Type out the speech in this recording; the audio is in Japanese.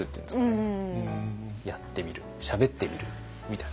やってみるしゃべってみるみたいな。